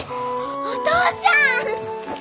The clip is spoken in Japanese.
お父ちゃん！